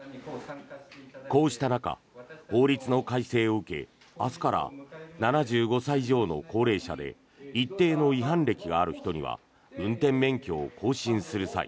こうした中、法律の改正を受け明日から７５歳以上の高齢者で一定の違反歴がある人には運転免許を更新する際